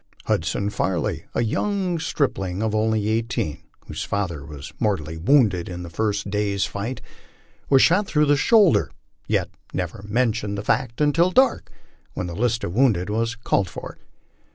Hudson Farley, a young stripling of only eighteen, whose father was mortally wounded in the first day's fight, was shot through the shoulder, yet never mentioned the fact until dark, when the list of wounded was called for.